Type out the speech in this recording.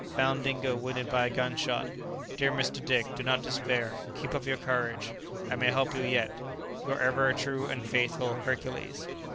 Found Dingo wounded by a gun shot. Dear Mr. Dick, do not despair; keep up your courage. I may help you yet. "Your ever true and faithful "HERCULES."